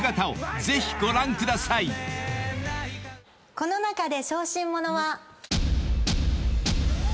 この中で。